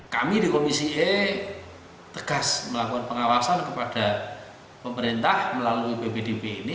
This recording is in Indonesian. kami di komisi e tegas melakukan pengawasan kepada pemerintah melalui bpdb ini